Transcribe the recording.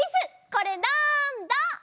これなんだ？